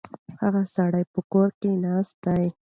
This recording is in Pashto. هغه سړی په کور کې ناست دی.